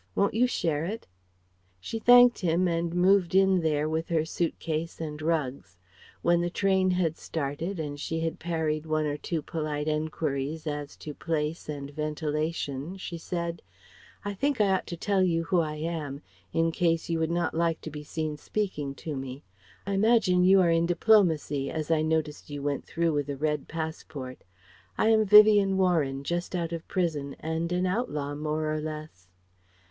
Won't you share it?" She thanked him and moved in there with her suit case and rugs. When the train had started and she had parried one or two polite enquiries as to place and ventilation, she said: "I think I ought to tell you who I am, in case you would not like to be seen speaking to me I imagine you are in diplomacy, as I noticed you went through with a Red passport. I am Vivien Warren, just out of prison, and an outlaw, more or less."